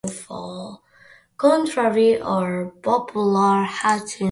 Contrary to popular misconception, wobbling will not cause a ceiling fan to fall.